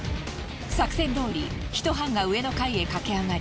作戦どおりひと班が上の階へ駆け上がり